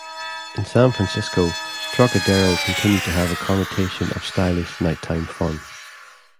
In San Francisco, "Trocadero" continued to have a connotation of stylish nighttime fun.